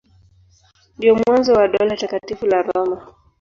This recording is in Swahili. Ndio mwanzo wa Dola Takatifu la Roma.